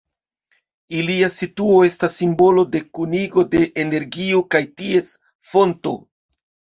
Ilia situo estas simbolo de kunigo de energio kaj ties fonto.